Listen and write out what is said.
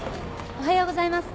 おはようございます。